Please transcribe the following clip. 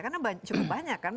karena cukup banyak kan